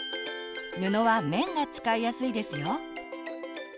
布は綿が使いやすいですよ。